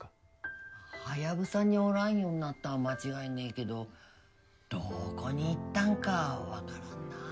ハヤブサにおらんようになったんは間違いねえけどどこに行ったんかはわからんなあ。